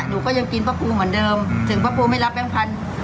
หนูก็ยังกินพระครูเหมือนเดิมถึงพระครูไม่รับแบงค์พันธุ์